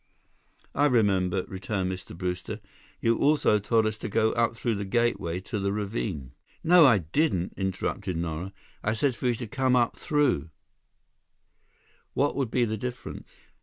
"I remember," returned Mr. Brewster. "You also told us to go up through the gateway to the ravine—" "No, I didn't!" interrupted Nara. "I said for you to come up through—" "What would be the difference?"